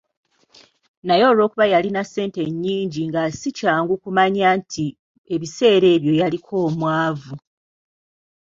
Naye olwokuba yalina ssente nnyingi nga si kyangu kumanya nti mu biseera ebyo yaliko omwavu.